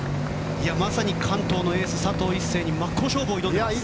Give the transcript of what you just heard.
まさに関東のエース、佐藤一世に真っ向勝負を挑んでいます。